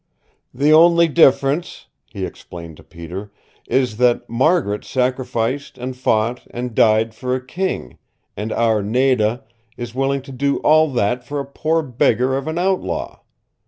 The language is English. "The only difference," he explained to Peter, "is that Margaret sacrificed and fought and died for a king, and our Nada is willing to do all that for a poor beggar of an outlaw.